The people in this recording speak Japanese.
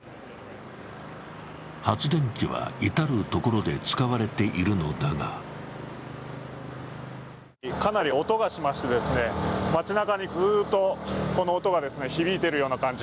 発電機は至る所で使われているのだがかなり音がしまして、街なかにずっとこの音が響いているような感じ。